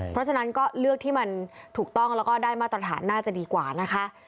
เพราะฉะนั้นก็เลือกที่มันถูกต้องแล้วก็ได้มาตรฐานน่าจะดีกว่านะคะ